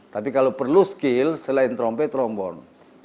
tapi kalau perlu skill selain trompet trombon